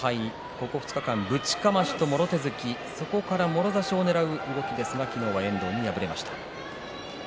ここ２日間、ぶちかましともろ手突き、そこからもろ差しをねらう動きですが昨日は遠藤に敗れました。